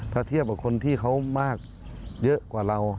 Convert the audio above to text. ถ้าเทียบกับคนที่เขามากเยอะกว่าเรา